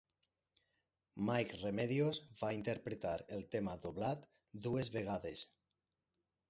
Mike Remedios va interpretar el tema doblat dues vegades.